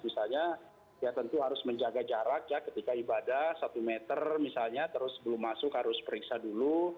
misalnya ya tentu harus menjaga jarak ya ketika ibadah satu meter misalnya terus belum masuk harus periksa dulu